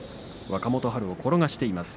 若元春を転がしています。